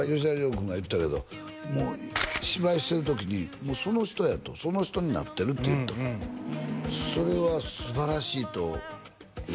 君が言ってたけどもう芝居してる時にもうその人やとその人になってるって言ってたへえそれはすばらしいと言ってたよ